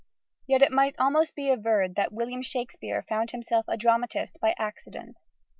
_] Yet it might almost be averred that William Shakespeare found himself a dramatist by accident.